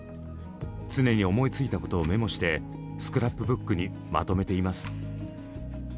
常に思いついたことをメモしてスクラップブックにまとめています。